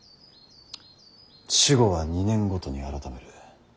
守護は２年ごとに改める。